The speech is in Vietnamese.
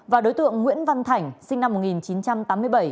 và đối tượng nguyễn văn thảnh sinh năm một nghìn chín trăm tám mươi bảy